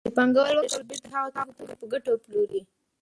چې پانګوال وکولای شي بېرته هغه توکي په ګټه وپلوري